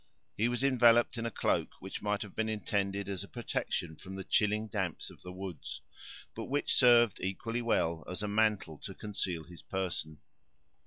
He was enveloped in a cloak that might have been intended as a protection from the chilling damps of the woods, but which served equally well as a mantle to conceal his person.